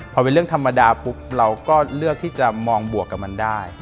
พอเป็นเรื่องธรรมดาปุ๊บเราก็เลือกที่จะมองบวกกับมันได้